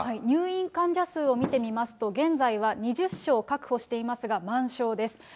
入院患者数を見てみますと、現在は２０床確保していますが、満床です。